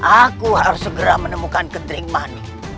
aku harus segera menemukan kedering manik